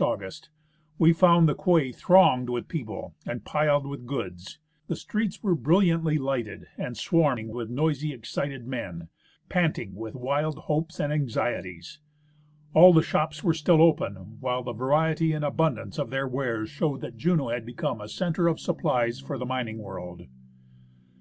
ELIAS August), we found the quay thronged with people and piled with goods ; the streets were brilliantly lighted and swarming with noisy, excited men, panting with wild hopes and anxieties. All the shops were still open, while the variety and abundance of their wares showed that Juneau had become a centre of supplies for the mining world.